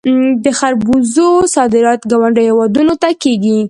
د خربوزو صادرات ګاونډیو هیوادونو ته کیږي.